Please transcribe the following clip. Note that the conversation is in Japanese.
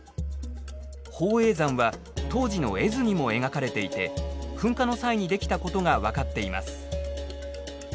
宝永山は当時の絵図にも描かれていて噴火の際にできたことが分かっています。